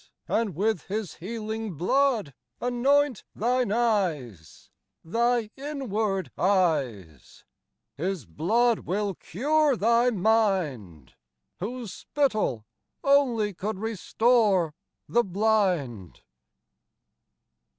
And with His healing bloud anoint thine eyes, Thy inward eyes : His bloud will cure thy mind, Whose spittle only could restore the blind.